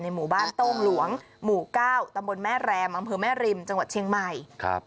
หมู่บ้านโต้งหลวงหมู่เก้าตำบลแม่แรมอำเภอแม่ริมจังหวัดเชียงใหม่ครับ